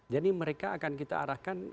jadi mereka akan kita arahkan